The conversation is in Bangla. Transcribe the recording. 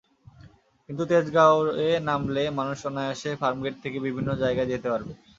কিন্তু তেজগাঁওয়ে নামলে মানুষ অনায়াসে ফার্মগেট থেকে বিভিন্ন জায়গায় যেতে পারবে।